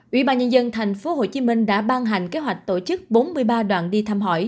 ủy ban nhân dân thành phố hồ chí minh đã ban hành kế hoạch tổ chức bốn mươi ba đoạn đi thăm hỏi